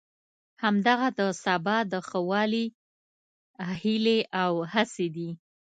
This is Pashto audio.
همدغه د سبا د ښه والي هیلې او هڅې دي.